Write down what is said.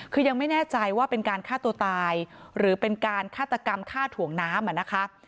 คือยังไม่แน่ใจว่าเป็นการฆ่าตัวตายหรือเป็นการฆาตกรรมฆ่าถ่วงน้ำอ่ะนะคะ